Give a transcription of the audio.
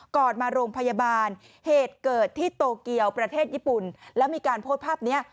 มาโรงพยาบาลเหตุเกิดที่โตเกียวประเทศญี่ปุ่นแล้วมีการโพสต์ภาพนี้